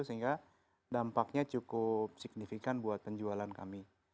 sehingga dampaknya cukup signifikan buat penjualan kami